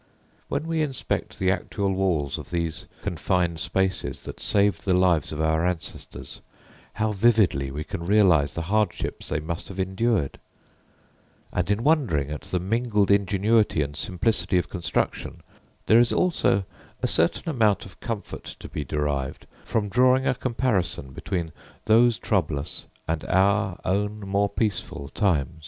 When we inspect the actual walls of these confined spaces that saved the lives of our ancestors, how vividly we can realise the hardships they must have endured; and in wondering at the mingled ingenuity and simplicity of construction, there is also a certain amount of comfort to be derived from drawing a comparison between those troublous and our own more peaceful times.